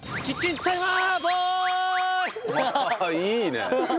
いいね。